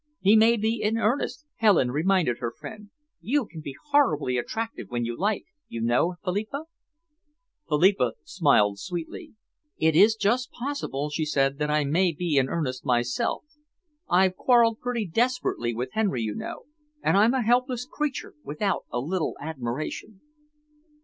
"He may be in earnest," Helen reminded her friend. "You can be horribly attractive when you like, you know, Philippa." Philippa smiled sweetly. "It is just possible," she said, "that I may be in earnest myself. I've quarrelled pretty desperately with Henry, you know, and I'm a helpless creature without a little admiration."